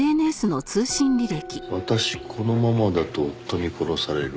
「私このままだと夫に殺される」